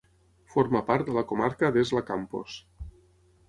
Forma part de la comarca d'Esla-Campos.